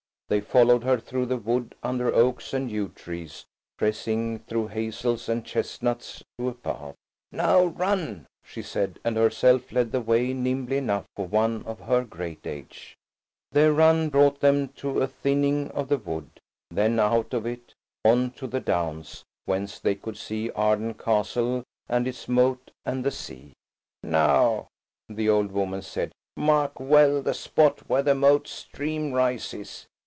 They followed her through the wood under oaks and yew trees, pressing through hazels and chestnuts to a path. "Now run!" she said, and herself led the way nimbly enough for one of her great age. Their run brought them to a thinning of the wood–then out of it–on to the downs, whence they could see Arden Castle and its moat, and the sea. "'NOW RUN!' SHE SAID, AND HERSELF LED THE WAY." "Now," the old woman said, "mark well the spot where the moat stream rises.